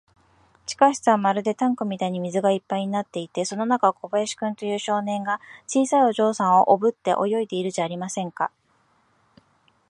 地下室はまるでタンクみたいに水がいっぱいになっていて、その中を、この小林君という少年が、小さいお嬢さんをおぶって泳いでいるじゃありませんか。